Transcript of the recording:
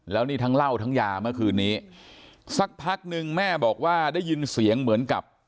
แล้วนี่ทั้งเหล้าทั้งยาเมื่อคืนนี้สักพักนึงแม่บอกว่าได้ยินเสียงเหมือนกับ